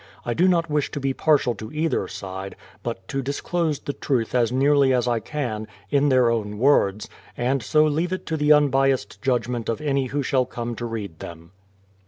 I do not wish to be partial to either side, but to disclose the truth as nearly as I can, in their own words, and so le^ve it to the unbiased judgment of any who shall come to read them.